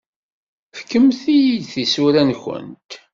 Fkemt-iyi-d tisura-nwent.